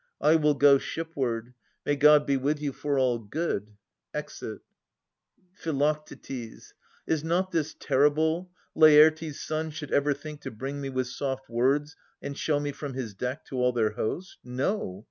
I will go Shipward. May God be with you for all good. \Exit. Phi. Is not this terrible, Lafirtes' son Should ever think to bring me with soft words And show me from his deck to all their host ? No